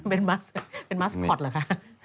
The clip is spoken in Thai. เป็นมัสคอตเหรอคะ